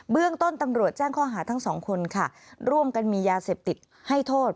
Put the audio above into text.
เรื่องต้นตำรวจแจ้งข้อหาทั้งสองคนค่ะร่วมกันมียาเสพติดให้โทษ